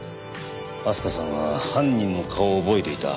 明日香さんは犯人の顔を覚えていた。